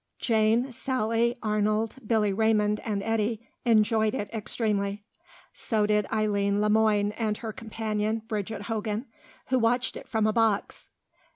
Jane, Sally, Arnold, Billy Raymond, and Eddy enjoyed it extremely. So did Eileen Le Moine and her companion Bridget Hogan, who watched it from a box.